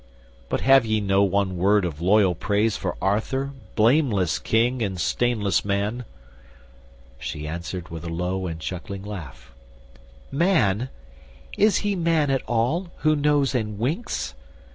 But have ye no one word of loyal praise For Arthur, blameless King and stainless man?" She answered with a low and chuckling laugh: "Man! is he man at all, who knows and winks?